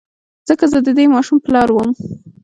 ځکه زه د دې ماشوم پلار وم.